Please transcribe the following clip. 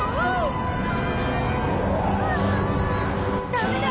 ダメだ。